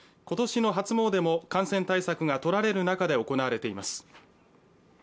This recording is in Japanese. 今年の初詣も感染対策がとられる中で行われています。